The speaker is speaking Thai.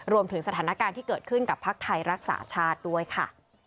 รวมถึงสถานการณ์ที่เกิดขึ้นกับภักดิ์ไทยรักษาชาติด้วยค่ะ